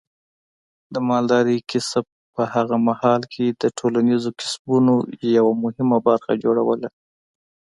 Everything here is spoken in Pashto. د مالدارۍ کسب په هغه مهال کې د ټولنیزو کسبونو یوه مهمه برخه جوړوله.